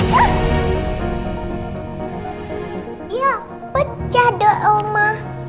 ya pecah dong oma